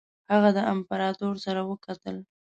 هغه د امپراطور سره وکتل.